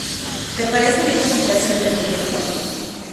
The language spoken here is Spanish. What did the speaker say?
¿Te parece bien la ubicación del proyecto?